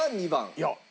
いや。